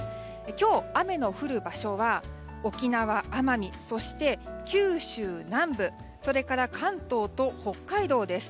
今日、雨の降る場所は沖縄、奄美そして九州南部それから関東と北海道です。